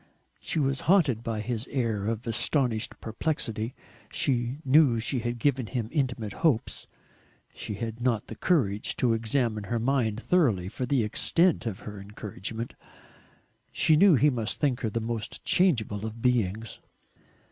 She was haunted by his air of astonished perplexity. She knew she had given him intimate hopes, she had not the courage to examine her mind thoroughly for the extent of her encouragement. She knew he must think her the most changeable of beings.